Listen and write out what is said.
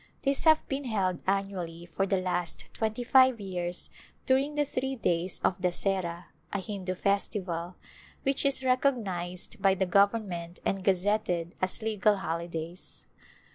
These have been held annually for the last twenty five years during the three days of Dasehra^ a Hindu festival, which is recognized by the government and gazetted as " Legal Holi days."